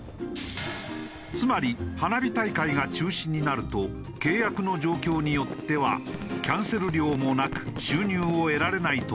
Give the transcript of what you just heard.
つまり花火大会が中止になると契約の状況によってはキャンセル料もなく収入を得られないというのだ。